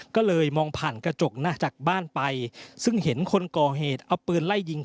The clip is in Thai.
ก็เลยมองผ่านกระจกหน้าจากบ้านไปซึ่งเห็นคนก่อเหตุเอาปืนไล่ยิง